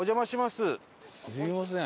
すみません。